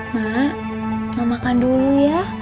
mak mau makan dulu ya